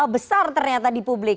besar ternyata di publik